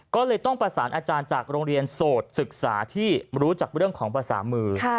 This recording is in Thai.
ก็เลยต้องประสานอาจารย์จากโรงเรียนโสดศึกษาที่รู้จักเรื่องของภาษามือ